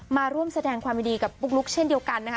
มาร่วมแสดงความยินดีกับปุ๊กลุ๊กเช่นเดียวกันนะคะ